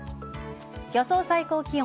予想最高気温。